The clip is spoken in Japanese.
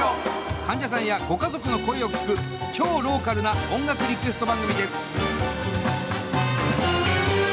患者さんや、ご家族の声を聞く超ローカルな音楽リクエスト番組です。